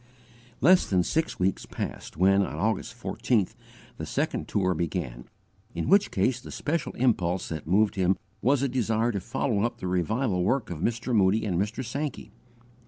Less than six weeks passed, when, on August 14th, the second tour began, in which case the special impulse that moved him was a desire to follow up the revival work of Mr. Moody and Mr. Sankey.